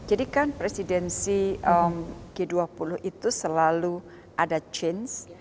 jadi kan presidensi g dua puluh itu selalu ada change